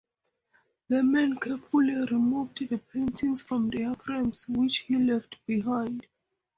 The man carefully removed the paintings from their frames, which he left behind.